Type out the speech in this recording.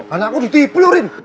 anakku ditipu rin